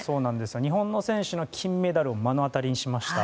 日本の選手の金メダルを目の当たりにしました。